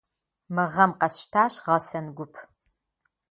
Мы гъэм къэсщтащ гъэсэн гуп.